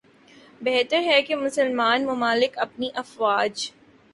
بہتر ہے کہ مسلمان ممالک اپنی افواج